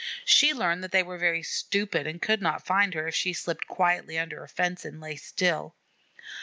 She learned that they were very stupid and could not find her if she slipped quietly under a fence and lay still.